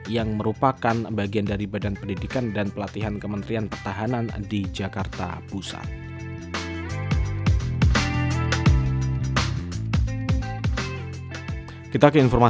yang merupakan bagian dari badan pendidikan dan pelatihan kementerian pertahanan di jakarta pusat